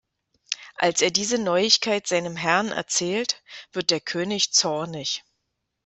Als er diese Neuigkeit seinem Herren erzählt, wird der König zornig.